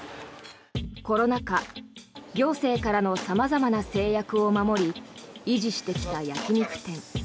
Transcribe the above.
コロナ禍行政からの様々な制約を守り維持してきた焼き肉店。